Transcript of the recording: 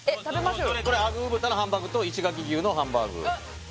これあぐー豚のハンバーグと石垣牛のハンバーグ